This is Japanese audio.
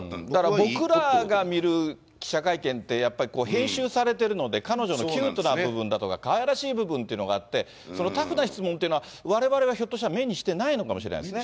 僕らが見る記者会見って、やっぱり編集されてるので、彼女のキュートな部分だとか、かわいらしい部分があって、そのタフな質問ってのは、われわれはひょっとしたら、目にしてないのかもしれないですね。